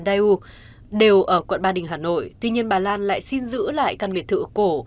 eu đều ở quận ba đình hà nội tuy nhiên bà lan lại xin giữ lại căn biệt thự cổ